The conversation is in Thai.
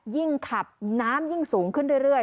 ยิ่งขับน้ำยิ่งสูงขึ้นเรื่อย